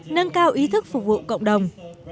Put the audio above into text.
nâng cao ý thức phục vụ cộng đồng